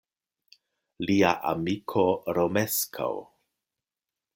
Lia amiko Romeskaŭ.